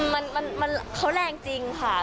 มันเขาแรงจริงค่ะ